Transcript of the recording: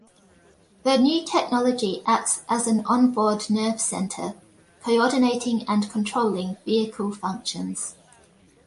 The new technology acts as an onboard nerve center, coordinating and controlling vehicle functions.